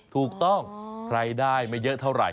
ถูกต้องใครได้ไม่เยอะเท่าไหร่